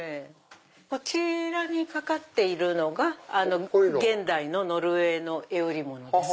こちらに掛かっているのが現代のノルウェーの絵織物です。